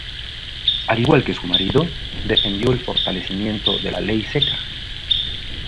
Al igual que su marido, defendió el fortalecimiento de la ley seca.